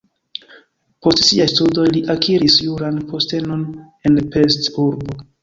Post siaj studoj li akiris juran postenon en Pest (urbo).